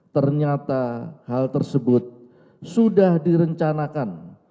ternyata hal tersebut sudah direncanakan